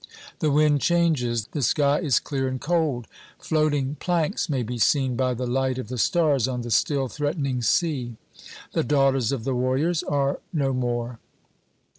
The wind changes ; the sky is clear and cold. Floating planks may be seen by the light of the stars on the still threatening sea; the daughters of the warriors are no more.